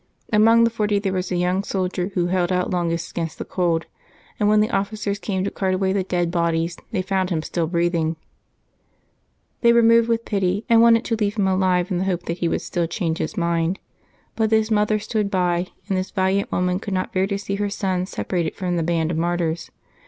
Among the Forty there was a young soldier who held out longest against the cold, and when the offi cers came to cart away the dead bodies they found him still breathing. They were moved with pity, and wanted to leave him alive in the hope that he would still change his mind. But his mother stood by, and this valiant woman could not bear to see her son separated from the band of martyrs.